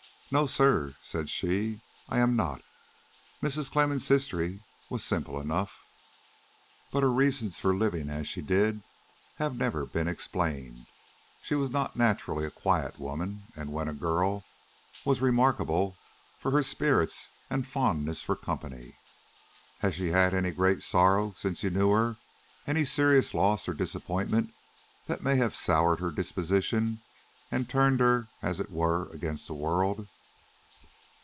"No, sir," said she, "I am not. Mrs. Clemmens' history was simple enough, but her reasons for living as she did have never been explained. She was not naturally a quiet woman, and, when a girl, was remarkable for her spirits and fondness for company." "Has she had any great sorrow since you knew her any serious loss or disappointment that may have soured her disposition, and turned her, as it were, against the world?"